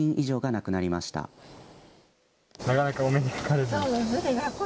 なかなかお目にかかれず。